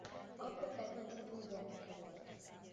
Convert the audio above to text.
Apja kedvenc fiúgyermeke volt.